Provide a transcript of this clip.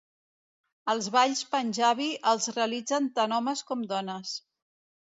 Els balls panjabi els realitzen tant homes com dones.